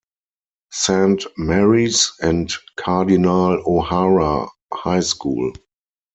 Saint Mary's and Cardinal O'Hara High School.